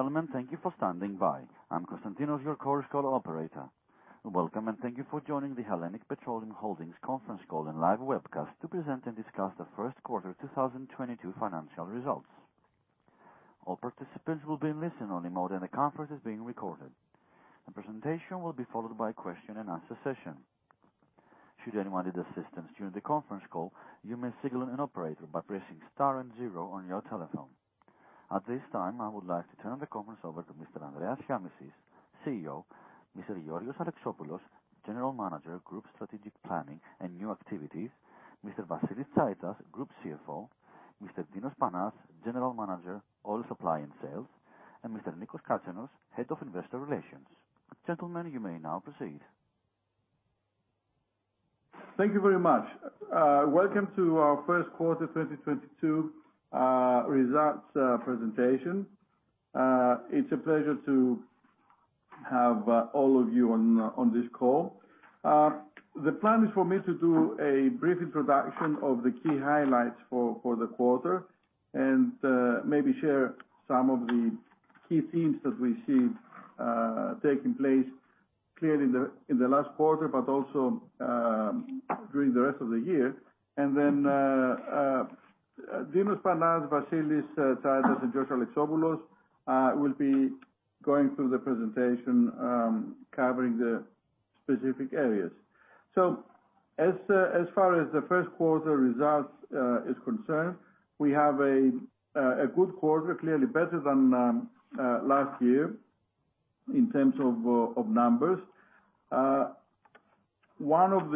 Ladies and gentlemen, thank you for standing by. I'm Constantinos, your core call operator. Welcome, and thank you for joining the HELLENiQ ENERGY Holdings Conference Call and Live Webcast to present and discuss Q1 2022 financial results. All participants will be in listen only mode, and the conference is being recorded. The presentation will be followed by question and answer session. Should anyone need assistance during the conference call, you may signal an operator by pressing star and zero on your telephone. At this time, I would like to turn the conference over to Mr. Andreas Shiamishis, CEO, Mr. Georgios Alexopoulos, General Manager, Group Strategic Planning and New Activities, Mr. Vasilis Tsaitas, Group CFO, Mr. Dinos Panas, General Manager, Oil Supply and Sales, and Mr. Nikos Katsenos, Head of Investor Relations. Gentlemen, you may now proceed. Thank you very much. Welcome to our Q1 2022 results presentation. It's a pleasure to have all of you on this call. The plan is for me to do a brief introduction of the key highlights for the quarter and maybe share some of the key themes that we see taking place clearly in the last quarter but also during the rest of the year. Dinos Panas, Vasilis Tsaitas, and George Alexopoulos will be going through the presentation covering the specific areas. As far as the first quarter results is concerned, we have a good quarter, clearly better than last year in terms of numbers. One of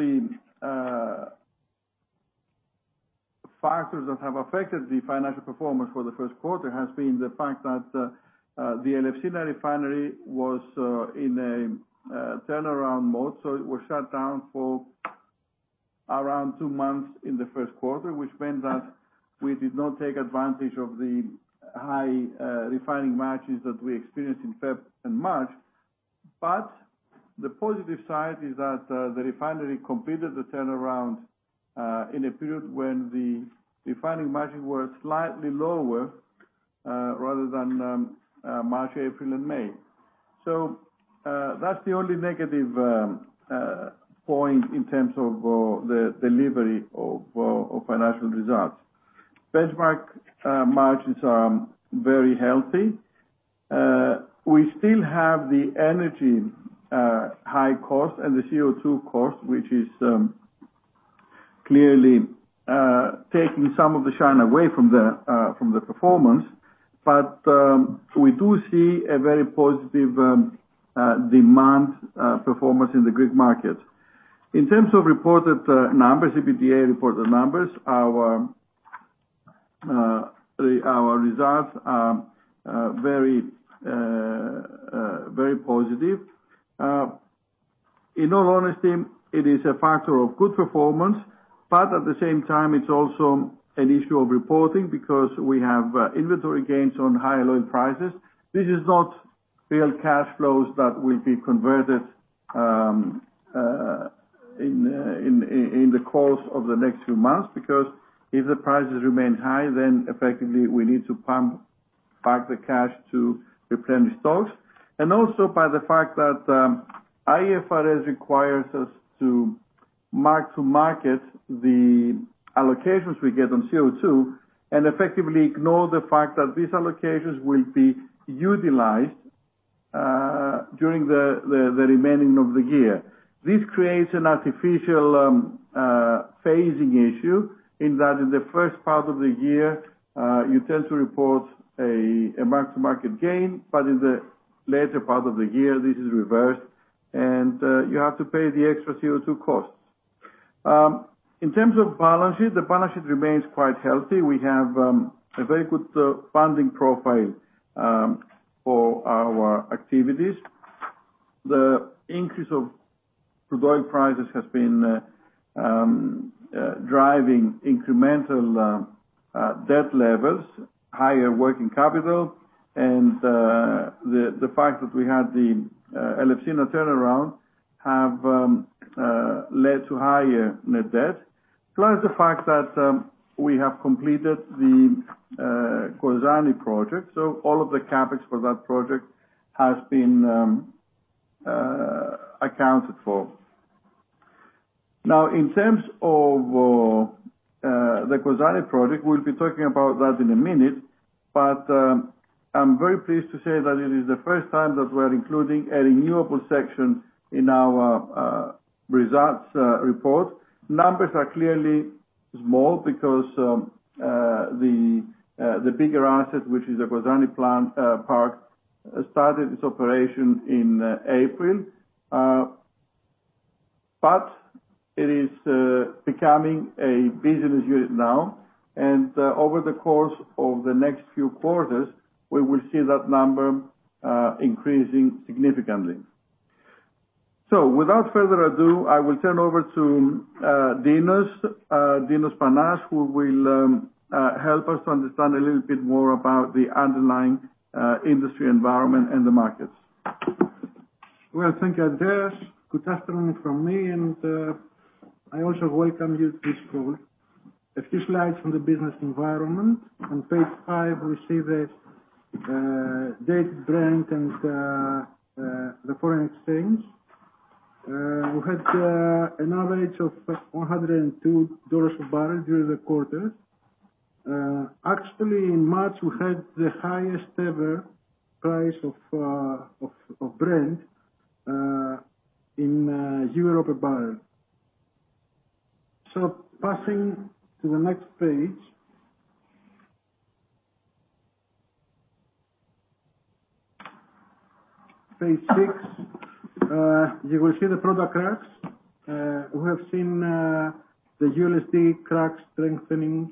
the factors that have affected the financial performance for Q1 has been the fact that the Elefsina Refinery was in a turnaround mode, so it was shut down for around two months in Q1, which meant that we did not take advantage of the high refining margins that we experienced in February and March. The positive side is that the refinery completed the turnaround in a period when the refining margins were slightly lower rather than March, April and May. That's the only negative point in terms of the delivery of financial results. Benchmark margins are very healthy. We still have the energy high cost and the CO2 cost, which is clearly taking some of the shine away from the performance. We do see a very positive demand performance in the Greek market. In terms of reported numbers, EBITDA reported numbers, our results are very positive. In all honesty, it is a factor of good performance, but at the same time it's also an issue of reporting because we have inventory gains on higher oil prices. This is not real cash flows that will be converted in the course of the next few months because if the prices remain high, then effectively we need to pump back the cash to replenish stocks. Also by the fact that, IFRS requires us to mark-to-market the allocations we get on CO2 and effectively ignore the fact that these allocations will be utilized during the remaining of the year. This creates an artificial phasing issue in that in the first part of the year you tend to report a mark-to-market gain, but in the later part of the year this is reversed and you have to pay the extra CO2 costs. In terms of balance sheet, the balance sheet remains quite healthy. We have a very good funding profile for our activities. The increase of product prices has been driving incremental debt levels, higher working capital, and the fact that we had the Elefsina turnaround have led to higher net debt. The fact that we have completed the Kozani project, so all of the CapEx for that project has been accounted for. Now in terms of the Kozani project, we'll be talking about that in a minute, but I'm very pleased to say that it is the first time that we're including a renewable section in our results report. Numbers are clearly small because the bigger asset, which is the Kozani plant park, started its operation in April. It is becoming a business unit now, and over the course of the next few quarters, we will see that number increasing significantly. Without further ado, I will turn over to Dinos Panas, who will help us understand a little bit more about the underlying industry environment and the markets. Well, thank you, Andreas. Good afternoon from me, and I also welcome you to this call. A few slides from the business environment. On page five, we see that Dated Brent and the foreign exchange. We had an average of $102 a barrel during the quarter. Actually, in March, we had the highest ever price of Brent in euro per barrel. Passing to the next page, page six. You will see the product cracks. We have seen the USD cracks strengthening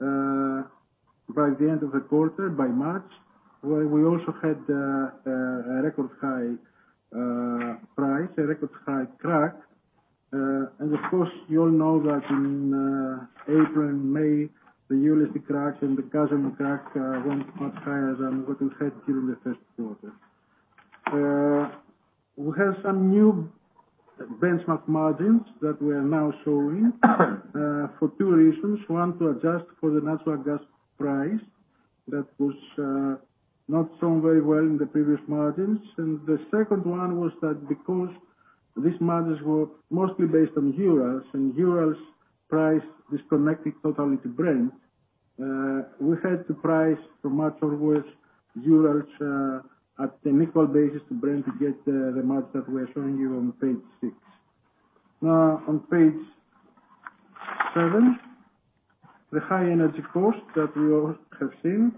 by the end of the quarter, by March, where we also had a record high price, a record high crack. Of course, you all know that in April and May, the USD cracks and the gasoline cracks went much higher than what we had during the Q1. We have some new benchmark margins that we are now showing for two reasons. One, to adjust for the natural gas price that was not shown very well in the previous margins. The second one was that because these margins were mostly based on Urals, and Urals price disconnected totally from Brent, we had to price with Urals at an equal basis to Brent to get the margin that we're showing you on page six. Now on page seven, the high energy cost that we all have seen.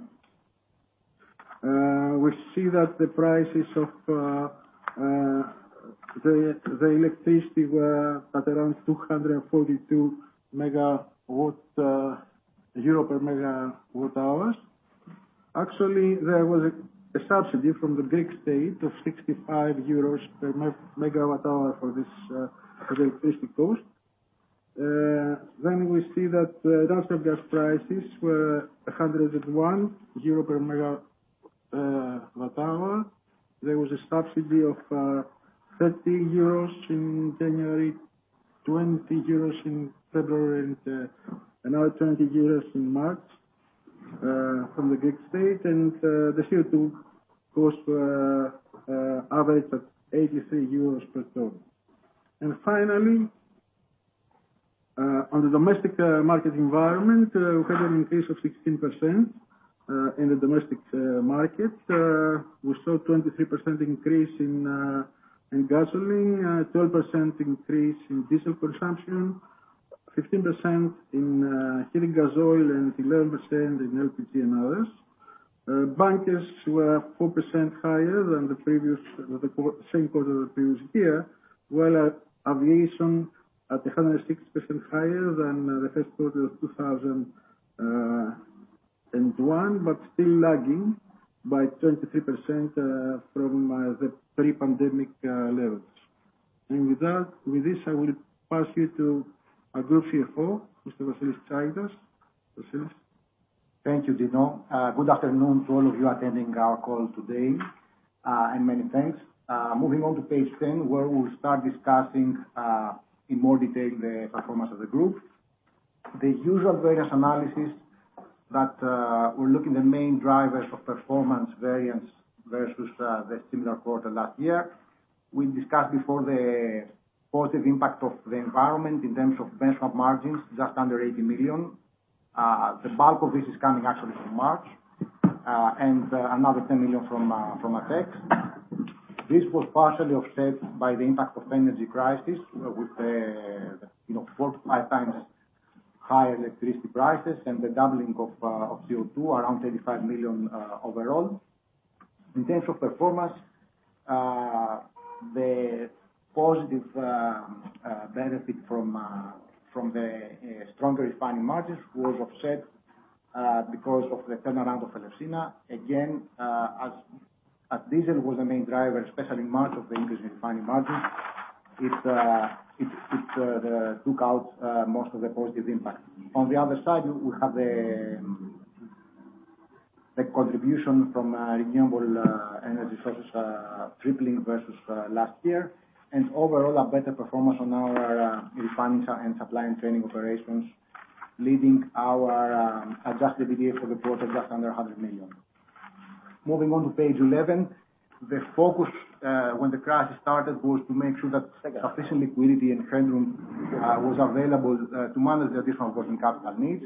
We see that the prices of the electricity were at around EUR 242 per MWh. Actually, there was a subsidy from the Greek state of 65 euros per MWh for this electricity cost. We see that the natural gas prices were EUR 101 per MWh. There was a subsidy of 30 euros in January, 20 euros in February, and another 20 euros in March from the Greek state. The CO2 cost averaged at EUR 83 per ton. Finally, on the domestic market environment, we had an increase of 16% in the domestic market. We saw 23% increase in gasoline, 12% increase in diesel consumption, 15% in heating gas oil, and 11% in LPG and others. Bunkers were 4% higher than the same quarter of the previous year, while aviation was 106% higher than Q1 of 2021, but still lagging by 23% from the pre-pandemic levels. With that, I will pass you to our Group CFO, Mr. Vasilis Tsaitas. Vasilis? Thank you, Dinos. Good afternoon to all of you attending our call today, and many thanks. Moving on to page 10, where we'll start discussing in more detail the performance of the group. The usual various analysis that we're looking the main drivers of performance variance versus the similar quarter last year. We discussed before the positive impact of the environment in terms of benchmark margins, just under 80 million. The bulk of this is coming actually from March, and another 10 million from FX. This was partially offset by the impact of energy crisis with the, you know, 4-5x high electricity prices and the doubling of CO2 around 35 million overall. In terms of performance, the positive benefit from the stronger refining margins was offset because of the turnaround of Elefsina. Again, as diesel was the main driver, especially in March, of the increase in refining margins, it took out most of the positive impact. On the other side, we have the contribution from renewable energy sources, tripling versus last year. Overall, a better performance on our refining, supply and trading operations, leading our Adjusted EBITDA for the quarter just under 100 million. Moving on to page 11. The focus when the crash started was to make sure that sufficient liquidity and headroom was available to manage the additional working capital needs.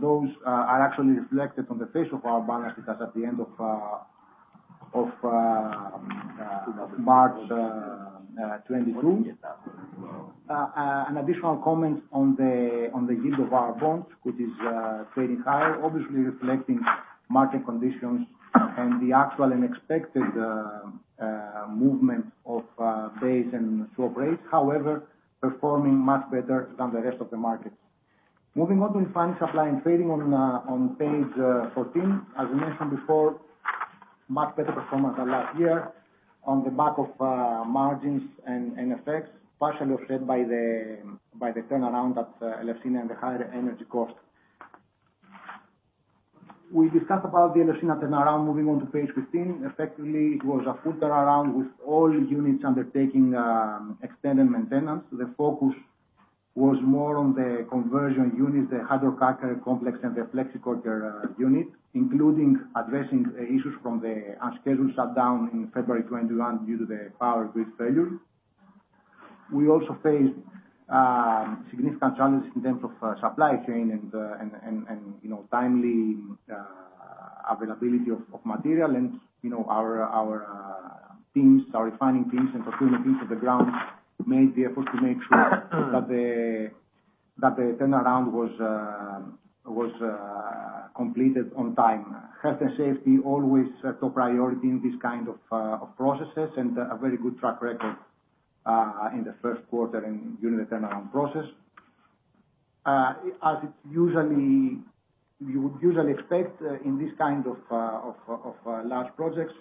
Those are actually reflected on the face of our balance sheet as at the end of March 2022. An additional comment on the yield of our bonds, which is trading higher, obviously reflecting market conditions and the actual and expected movement of base and swap rates, however, performing much better than the rest of the market. Moving on to refining, supply, and trading on page 14. As we mentioned before, much better performance than last year on the back of margins and FX, partially offset by the turnaround at Elefsina and the higher energy costs. We discussed about the Elefsina turnaround, moving on to page 15. Effectively, it was a full turnaround with all units undertaking extended maintenance. The focus was more on the conversion units, the hydrocracker complex and the flexicoker unit, including addressing issues from the unscheduled shutdown in February 2021 due to the power grid failure. We also faced significant challenges in terms of supply chain and, you know, timely availability of material. You know, our teams, our refining teams and procurement teams on the ground made the effort to make sure that the turnaround was completed on time. Health and safety always a top priority in this kind of processes and a very good track record in the first quarter in unit turnaround process. You would usually expect in this kind of large projects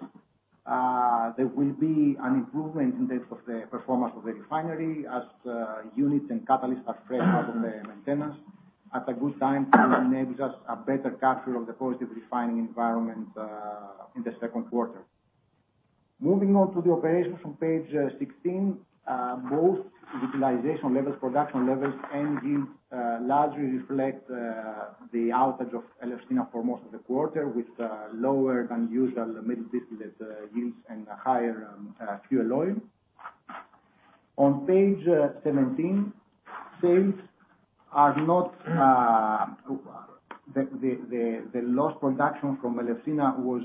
there will be an improvement in terms of the performance of the refinery as units and catalysts are fresh out of the maintenance. At a good time to enable us a better capture of the positive refining environment in Q2. Moving on to the operations on page 16. Both utilization levels, production levels, and yield largely reflect the outage of Elefsina for most of the quarter, with lower than usual middle distillate yields and a higher fuel oil. On page 17, sales are not. The lost production from Elefsina was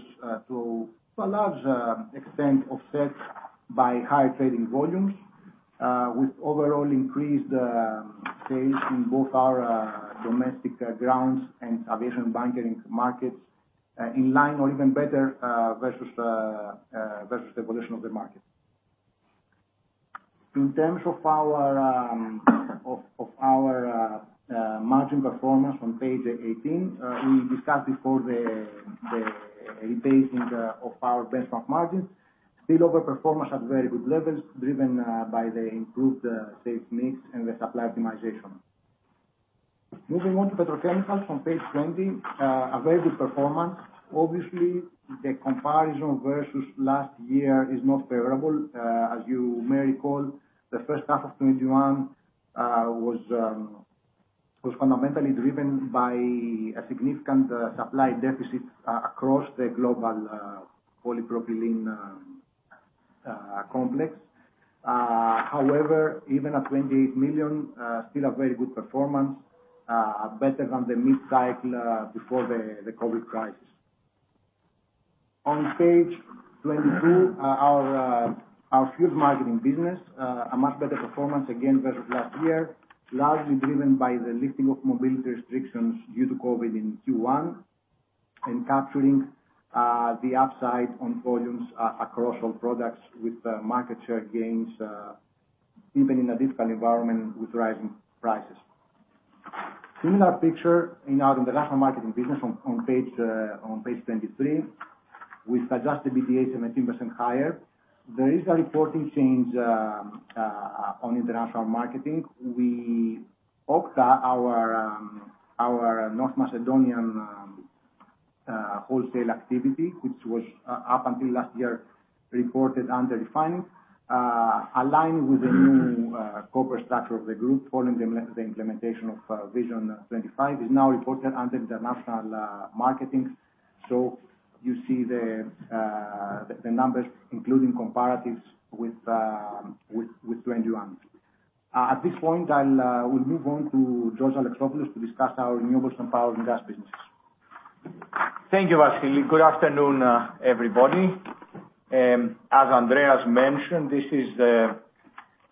to a large extent offset by higher trading volumes with overall increased sales in both our domestic grounds and aviation bunkering markets, in line or even better versus the evolution of the market. In terms of our margin performance on page 18, we discussed before the rebasing of our benchmark margins. Still overperformance at very good levels, driven by the improved sales mix and the supply optimization. Moving on to petrochemicals on page 20. A very good performance. Obviously, the comparison versus last year is not favorable. As you may recall, the first half of 2021 was fundamentally driven by a significant supply deficit across the global polypropylene complex. However, even at 28 million, still a very good performance, better than the mid-cycle, before the COVID crisis. On page 22, our fuels marketing business, a much better performance again versus last year, largely driven by the lifting of mobility restrictions due to COVID in Q1, and capturing the upside on volumes across all products with market share gains, even in a difficult environment with rising prices. Similar picture in our international marketing business on page 23, with Adjusted EBITDA 17% higher. There is a reporting change on international marketing. We booked our North Macedonian wholesale activity, which was up until last year reported under refining. Aligned with the new corporate structure of the group following the implementation of Vision 2025. It's now reported under international marketing. You see the numbers including comparatives with 2021. At this point we'll move on to George Alexopoulos to discuss our renewables and power and gas businesses. Thank you, Vasilis. Good afternoon, everybody. As Andreas mentioned, this is the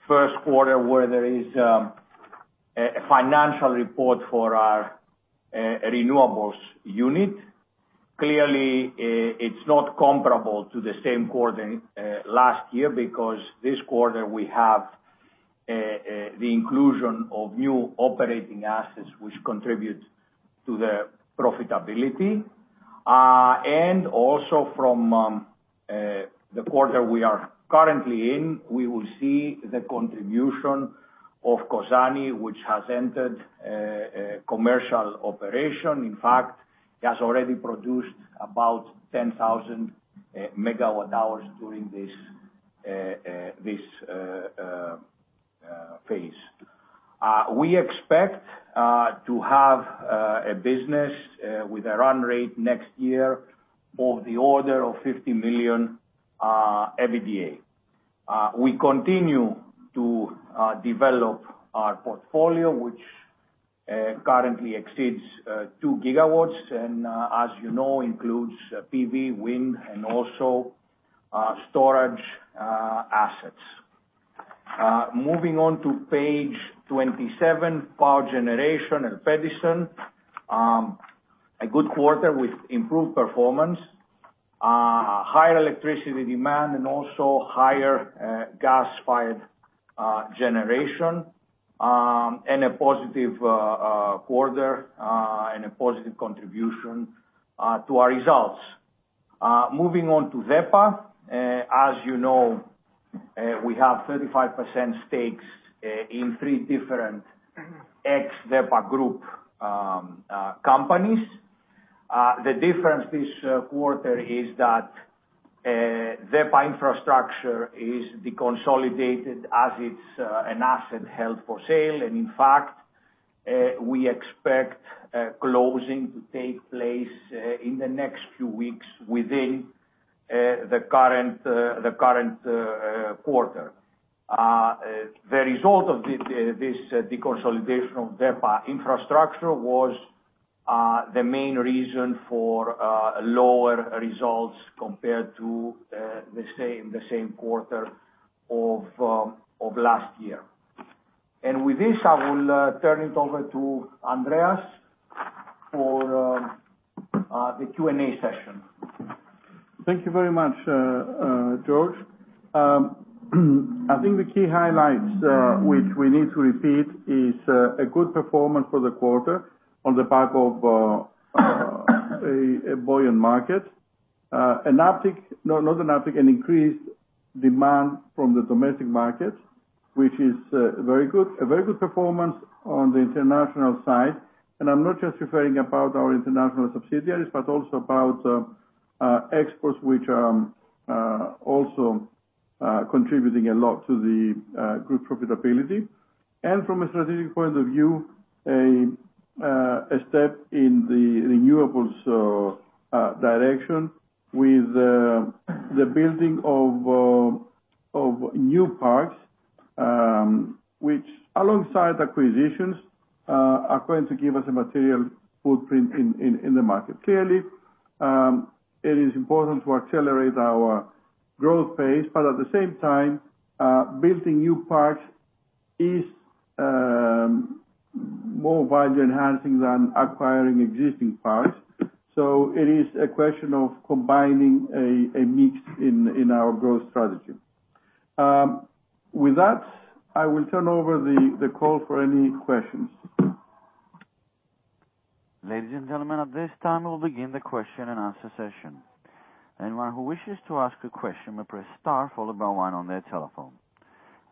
first quarter where there is a financial report for our renewables unit. Clearly, it's not comparable to the same quarter last year because this quarter we have the inclusion of new operating assets which contribute to the profitability. And also from the quarter we are currently in, we will see the contribution of Kozani, which has entered commercial operation. In fact, it has already produced about 10,000MWh during this phase. We expect to have a business with a run rate next year of the order of 50 million EBITDA. We continue to develop our portfolio, which currently exceeds 2GW and, as you know, includes PV, wind, and also storage assets. Moving on to page 27, power generation and ELPEDISON. A good quarter with improved performance. Higher electricity demand and also higher gas-fired generation. And a positive quarter and a positive contribution to our results. Moving on to DEPA. As you know, we have 35% stakes in three different ex-DEPA group companies. The difference this quarter is that DEPA Infrastructure is deconsolidated as it's an asset held for sale. In fact, we expect closing to take place in the next few weeks within the current quarter. The result of this deconsolidation of DEPA Infrastructure was the main reason for lower results compared to the same quarter of last year. With this, I will turn it over to Andreas for the Q&A session. Thank you very much, George. I think the key highlights which we need to repeat is a good performance for the quarter on the back of a buoyant market. In Northern Greece, an increased demand from the domestic market, which is very good. A very good performance on the international side. I'm not just referring about our international subsidiaries, but also about exports which are also contributing a lot to the group profitability. From a strategic point of view, a step in the renewables direction with the building of new parks which alongside acquisitions are going to give us a material footprint in the market. Clearly, it is important to accelerate our growth pace, but at the same time, building new parks is more value enhancing than acquiring existing parks. It is a question of combining a mix in our growth strategy. With that, I will turn over the call for any questions. Ladies and gentlemen, at this time we'll begin the question and answer session. Anyone who wishes to ask a question may press star followed by one on their telephone.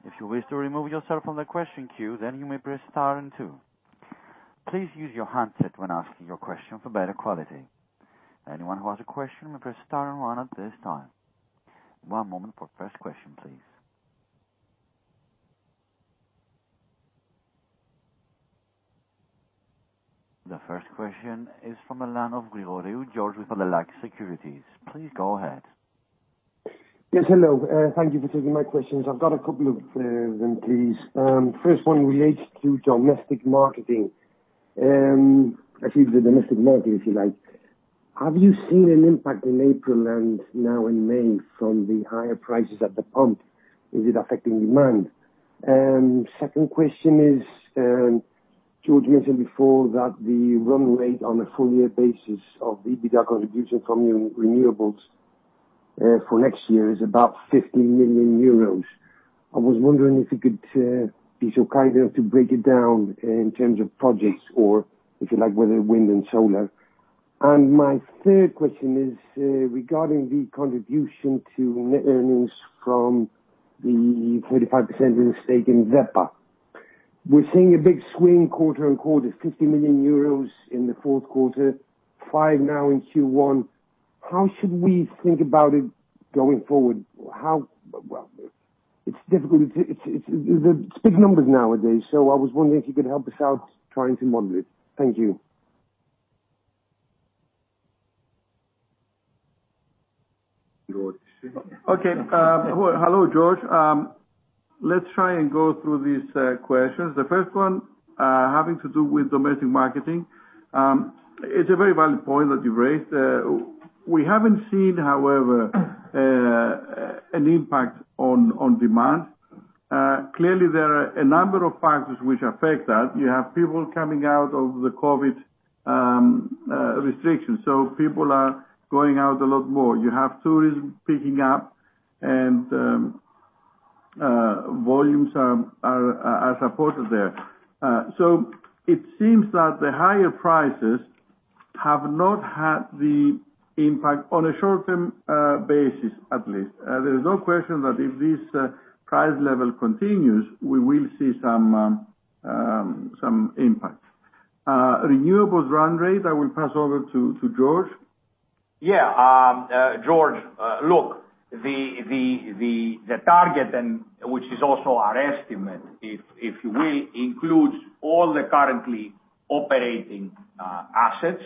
If you wish to remove yourself from the question queue, then you may press star and two. Please use your handset when asking your question for better quality. Anyone who has a question may press star and one at this time. One moment for first question, please. The first question is from the line of George Grigoriou with Pantelakis Securities. Please go ahead. Yes, hello. Thank you for taking my questions. I've got a couple of them, please. First one relates to domestic marketing. Actually the domestic market, if you like. Have you seen an impact in April and now in May from the higher prices at the pump? Is it affecting demand? Second question is, George mentioned before that the run rate on a full year basis of the EBITDA contribution from renewables, for next year is about 50 million euros. I was wondering if you could be so kind enough to break it down in terms of projects or if you like, whether wind and solar. My third question is, regarding the contribution to net earnings from the 45% of the stake in DEPA. We're seeing a big swing quarter-over-quarter, 50 million euros in Q4, 5 million now in Q1. How should we think about it going forward? Well, it's difficult. It's big numbers nowadays, so I was wondering if you could help us out trying to model it. Thank you. Okay. Well, hello, George. Let's try and go through these questions. The first one having to do with domestic marketing. It's a very valid point that you've raised. We haven't seen, however, an impact on demand. Clearly there are a number of factors which affect that. You have people coming out of the COVID restrictions, so people are going out a lot more. You have tourism picking up and volumes are supported there. It seems that the higher prices have not had the impact on a short-term basis at least. There is no question that if this price level continues, we will see some impact. Renewables run rate, I will pass over to George. Yeah. George, look, the target then, which is also our estimate, if you will, includes all the currently operating assets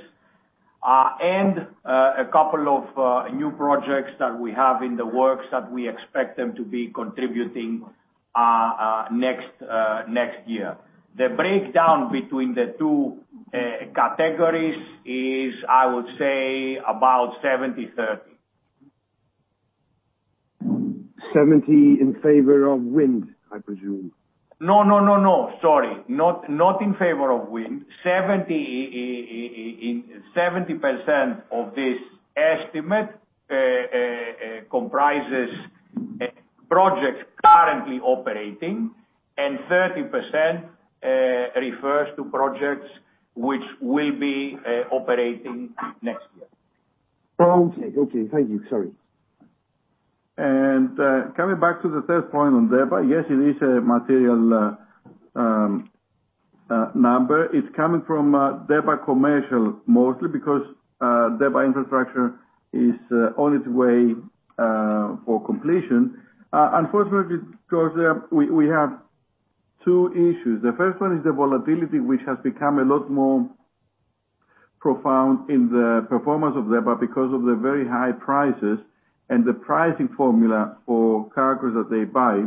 and a couple of new projects that we have in the works that we expect them to be contributing next year. The breakdown between the two categories is, I would say, about 70% 30%. 70% in favor of wind, I presume. No. Sorry. Not in favor of wind. 70% of this estimate comprises projects currently operating, and 30% refers to projects which will be operating next year. Okay. Got you. Thank you. Sorry. Coming back to the third point on DEPA. Yes, it is a material number. It's coming from DEPA Commercial mostly because DEPA Infrastructure is on its way for completion. Unfortunately, George, we have two issues. The first one is the volatility, which has become a lot more profound in the performance of DEPA because of the very high prices and the pricing formula for cargoes that they buy.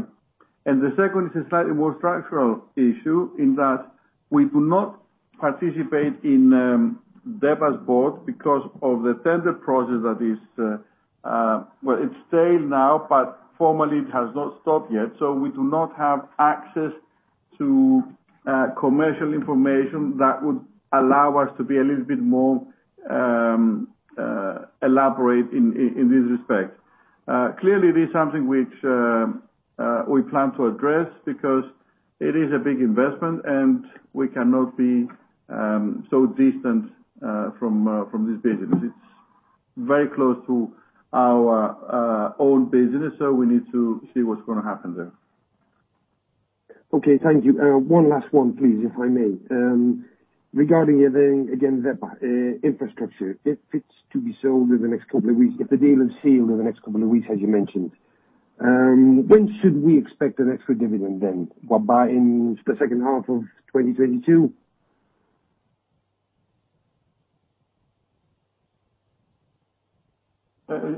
The second is a slightly more structural issue, in that we do not participate in DEPA's board because of the tender process. Well, it's stale now, but formally it has not stopped yet. We do not have access to commercial information that would allow us to be a little bit more elaborate in this respect. Clearly it is something which we plan to address because it is a big investment, and we cannot be so distant from this business. It's very close to our own business, so we need to see what's gonna happen there. Okay. Thank you. One last one, please, if I may. Regarding, again, DEPA Infrastructure. If it's to be sold in the next couple of weeks, if the deal is sealed in the next couple of weeks, as you mentioned, when should we expect an extra dividend then? By in the second half of 2022?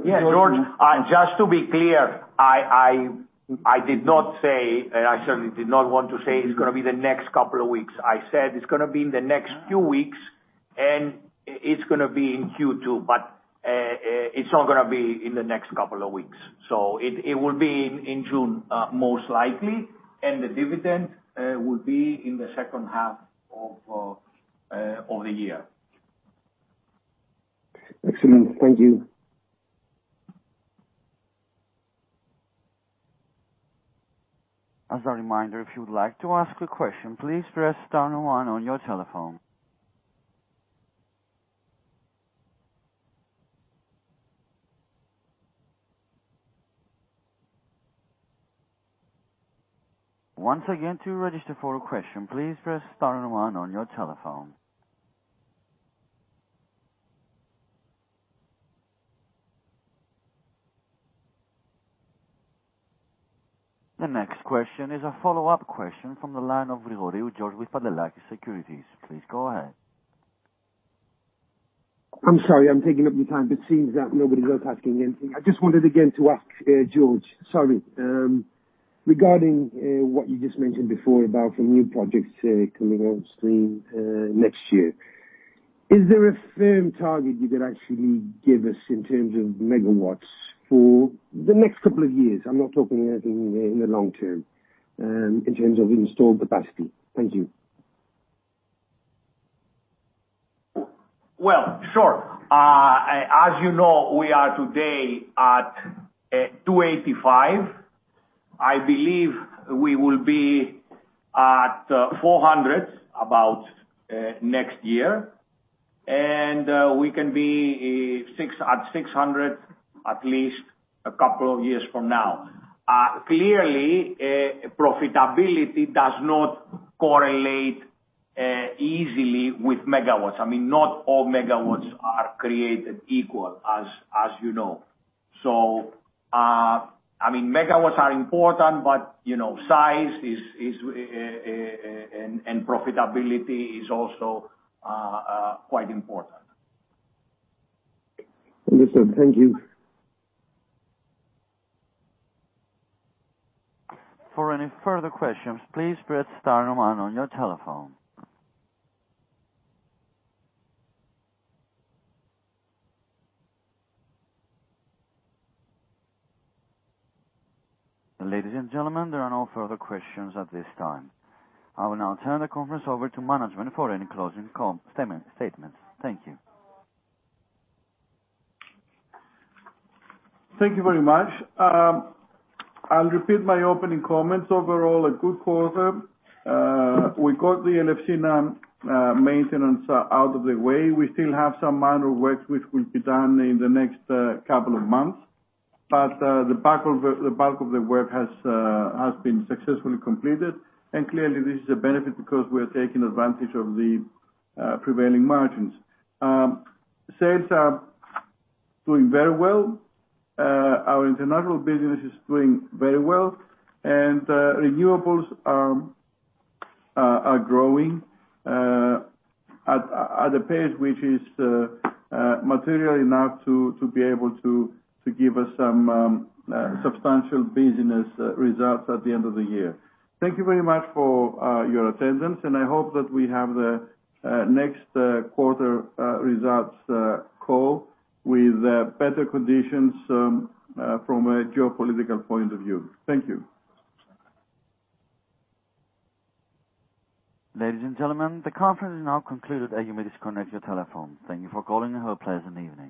Yeah. George, just to be clear, I did not say, and I certainly did not want to say, it's gonna be the next couple of weeks. I said it's gonna be in the next few weeks, and it's gonna be in Q2, but it's not gonna be in the next couple of weeks. It will be in June, most likely. The dividend will be in the second half of the year. Excellent. Thank you. As a reminder, if you would like to ask a question, please press star one on your telephone. Once again, to register for a question, please press star one on your telephone. The next question is a follow-up question from the line of George Grigoriou with Pantelakis Securities. Please go ahead. I'm sorry I'm taking up your time, but it seems that nobody's asking anything. I just wanted again to ask, George, sorry. Regarding what you just mentioned before about the new projects coming on stream next year, is there a firm target you could actually give us in terms of megawatts for the next couple of years? I'm not talking anything in the long term in terms of installed capacity. Thank you. Well, sure. As you know, we are today at 285MW. I believe we will be at about 400MW next year. We can be at 600MW at least a couple of years from now. Clearly, profitability does not correlate easily with megawatts. I mean, not all megawatts are created equal, as you know. I mean, megawatts are important, but you know, size is and profitability is also quite important. Understood. Thank you. For any further questions, please press star one on your telephone. Ladies and gentlemen, there are no further questions at this time. I will now turn the conference over to management for any closing statements. Thank you. Thank you very much. I'll repeat my opening comments. Overall, a good quarter. We got the Elefsina maintenance out of the way. We still have some manual works which will be done in the next couple of months. The bulk of the work has been successfully completed. Clearly, this is a benefit because we are taking advantage of the prevailing margins. Sales are doing very well. Our international business is doing very well. Renewables are growing at a pace which is material enough to be able to give us some substantial business results at the end of the year. Thank you very much for your attendance, and I hope that we have the next quarter results call with better conditions from a geopolitical point of view. Thank you. Ladies and gentlemen, the conference is now concluded. You may disconnect your telephone. Thank you for calling, and have a pleasant evening.